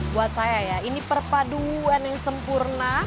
buat saya ya ini perpaduan yang sempurna